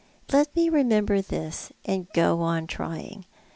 Let me remember this, and go on trying.